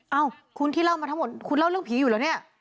เอ้าคุณที่เล่ามาทั้งหมดคุณเล่าเรื่องผีอยู่เหรอเนี่ย